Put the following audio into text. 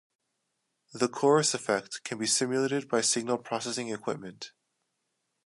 The chorus effect can be simulated by signal processing equipment.